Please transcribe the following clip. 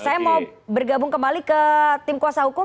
saya mau bergabung kembali ke tim kuasa hukum